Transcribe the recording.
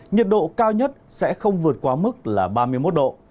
nhiệt độ cao nhất sẽ không vượt qua mức là ba mươi một độ